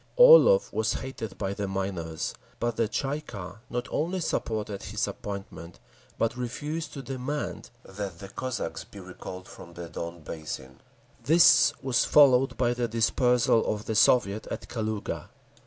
Orlov was hated by the miners. But the Tsay ee kah not only supported his appointment, but refused to demand that the Cossacks be recalled from the Don Basin…. This was followed by the dispersal of the Soviet at Kaluga.